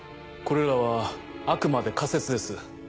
これらはあくまで仮説です。